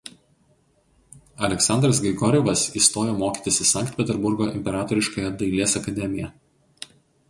Aleksandras Grigorjevas įstojo mokytis į Sankt Peterburgo imperatoriškąją dailės akademiją.